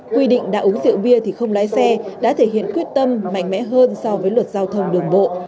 quy định đã uống rượu bia thì không lái xe đã thể hiện quyết tâm mạnh mẽ hơn so với luật giao thông đường bộ